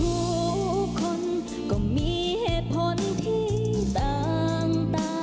ทุกคนก็มีเหตุผลที่ต่างตา